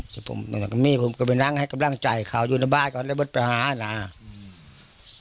จะผมเมื่อกี่มีผมกระบวะน้ำให้กำลังใจเขาจะบ้านพวกของเราเถอะว่าทะเนี่ย